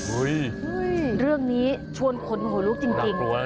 อุ้ยเรื่องนี้ชวนขนโหลลุกจริง